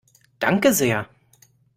Danke sehr!